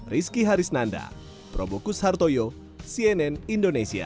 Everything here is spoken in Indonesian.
rizky harisnanda probokus hartoyo cnn indonesia